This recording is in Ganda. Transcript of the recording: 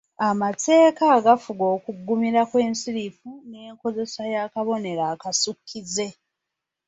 Amateeka agafuga okuggumira kw’ensirifu n’enkozesa y’akabonero akasukkize.